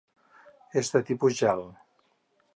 És de tipus gel.